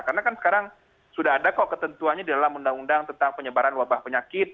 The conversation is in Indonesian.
karena kan sekarang sudah ada kok ketentuannya di dalam undang undang tentang penyebaran wabah penyakit